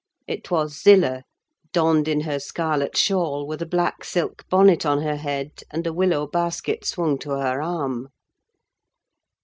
It was Zillah; donned in her scarlet shawl, with a black silk bonnet on her head, and a willow basket swung to her arm.